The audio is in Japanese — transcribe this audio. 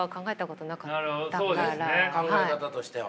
考え方としては。